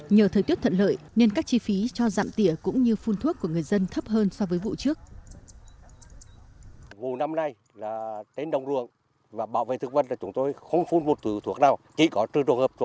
nhờ thời tiết thận lợi nên các chi phí cho giảm tỉa cũng như phun thuốc của người dân thấp hơn so với vụ trước